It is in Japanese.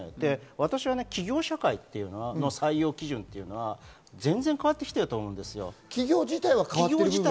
私は企業社会というのは採用基準は全然変わってきていると思うんですよ。